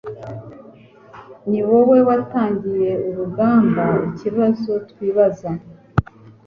Niwowe watangiye urugamba ikibazo twibaza